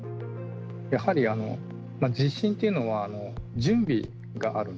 やはり地震というのは準備があるんですね。